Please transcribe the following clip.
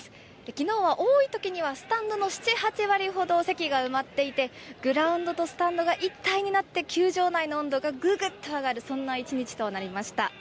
きのうは多いときにはスタンドの７、８割ほど席が埋まっていて、グラウンドとスタンドが一体になって球場内の温度がぐぐっと上がる、そんな一日となりました。